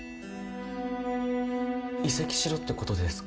移籍しろってことですか？